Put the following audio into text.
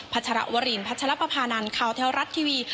พัชรวรีนพัชรประพานานข่าวแท้รัฐทีวี